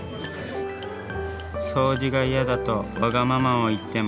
掃除が嫌だとわがままを言っても。